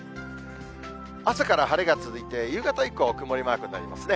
朝から晴れが続いて、夕方以降、曇りマークになりますね。